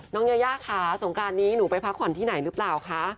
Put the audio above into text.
ยายาค่ะสงกรานนี้หนูไปพักผ่อนที่ไหนหรือเปล่าคะ